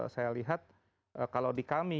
saya lihat kalau di kami